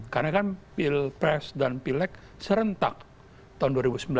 karena kan pilpres dan pileg serentak tahun dua ribu sembilan belas